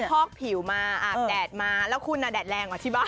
เขาพอกผิวมาแดดมาแล้วคุณแดดแรงเหรอที่บ้าน